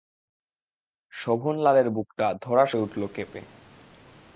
শোভনলালের বুকটা ধড়াস করে উঠল কেঁপে।